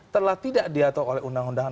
telah tidak diatur oleh undang undang